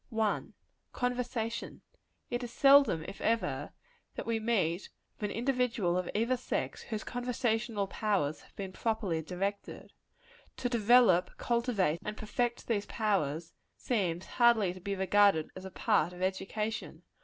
1. Conversation. It is seldom, if ever, that we meet with an individual of either sex, whose conversational powers have been properly directed. To develope, cultivate and perfect these powers; seems hardly to be regarded as a part of education.